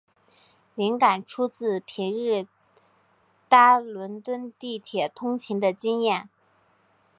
灵感出自平日搭伦敦地铁通勤的经验。